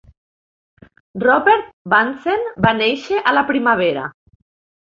Robert Bunsen va néixer a la primavera.